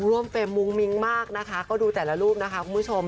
เฟรมมุ้งมิ้งมากนะคะก็ดูแต่ละรูปนะคะคุณผู้ชม